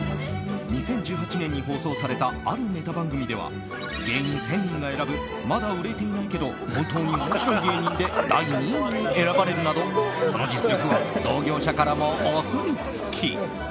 ２０１８年に放送されたあるネタ番組では芸人１０００人が選ぶまだ売れていないけど本当に面白い芸人で第２位に選ばれるなどその実力は同業者からもお墨付き。